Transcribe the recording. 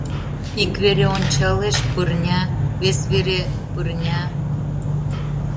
Ик вере ончалеш — пырня, вес вере — пырня...